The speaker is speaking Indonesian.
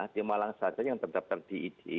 di malang saja yang tetap terdiri